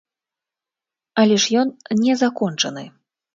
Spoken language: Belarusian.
Але ж ён не закончаны.